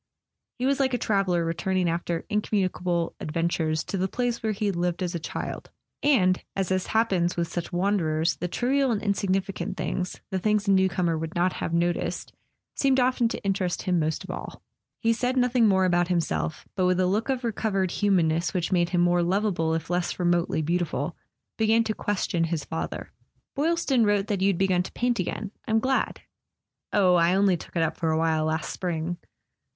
He was like a traveller returning after incommunicable adventures to the place where he had lived as a child; and, as happens with such wanderers, the trivial and insignifi¬ cant things, the things a newcomer would not have noticed, seemed often to interest him most of all. He said nothing more about himself, but with the look of recovered humanness which made him more lovable if less remotely beautiful, began to question his father. "Boylston wrote that you'd begun to paint again. I'm glad." "Oh, I only took it up for a while last spring."